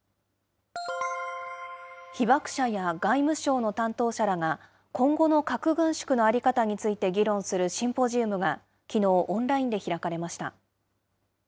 被爆者や外務省の担当者らが、今後の核軍縮の在り方について議論するシンポジウムがきのう、オンラインで開かれました。